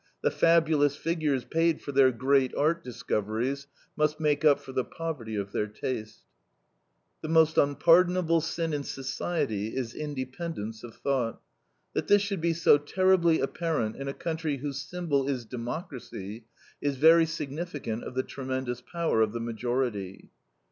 The fabulous figures paid for their great art discoveries must make up for the poverty of their taste. The most unpardonable sin in society is independence of thought. That this should be so terribly apparent in a country whose symbol is democracy, is very significant of the tremendous power of the majority.